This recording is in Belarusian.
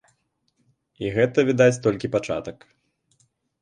І гэта, відаць, толькі пачатак.